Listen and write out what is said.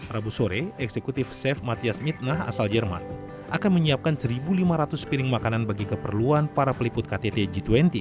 rabu sore eksekutif chef mathias mitnah asal jerman akan menyiapkan satu lima ratus piring makanan bagi keperluan para peliput ktt g dua puluh